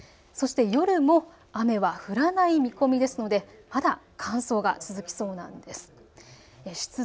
そして夜も雨は降らない見込みですのでまだ乾燥が続きそうなんです。